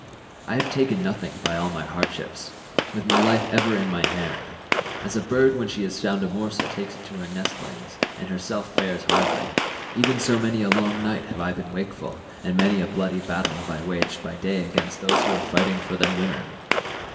I have taken nothing by all my hardships—with my life ever in my hand; as a bird when she has found a morsel takes it to her nestlings, and herself fares hardly, even so many a long night have I been wakeful, and many a bloody battle have I waged by day against those who were fighting for their women.